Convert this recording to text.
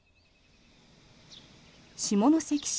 下関市